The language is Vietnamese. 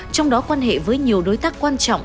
trong đó quan hệ với nhiều đối tác quan trọng